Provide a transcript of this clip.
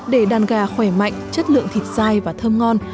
để đàn gà khỏe mạnh chất lượng thịt dai và thơm ngon